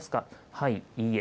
はい、いいえ。